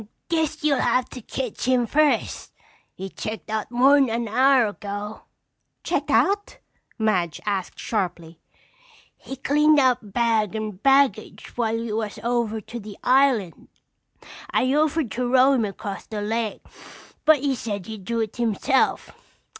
"Guess you'll have to ketch him first. He checked out mor'n an hour ago." "Checked out?" Madge asked sharply. "He cleaned out bag and baggage while you was over to the island. I offered to row him across the lake but he said he'd do it himself.